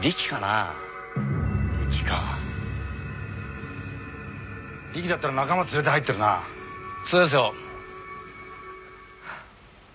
あリキかリキだったら仲間連れて入ってるなそうでしょう！